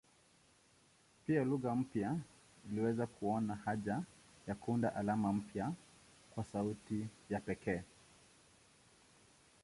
Pia lugha mpya iliweza kuona haja ya kuunda alama mpya kwa sauti ya pekee.